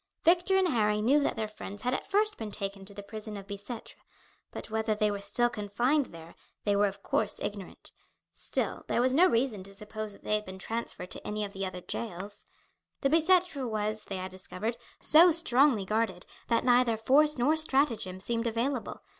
Victor and Harry knew that their friends had at first been taken to the prison of Bicetre, but whether they were still confined there they were of course ignorant. Still there was no reason to suppose that they had been transferred to any of the other jails. The Bicetre was, they had discovered, so strongly guarded that neither force nor stratagem seemed available.